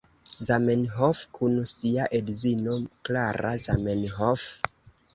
Zamenhof kun sia edzino, Klara Zamenhof.